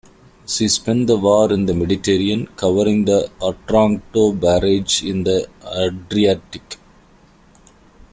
She spent the war in the Mediterranean, covering the Otranto Barrage in the Adriatic.